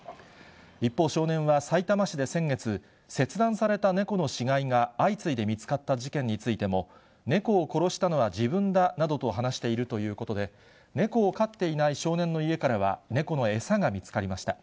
一方、少年はさいたま市で先月、切断された猫の死骸が相次いで見つかった事件についても、猫を殺したのは自分だなどと話しているということで、猫を飼っていない少年の家からは、猫の餌が見つかりました。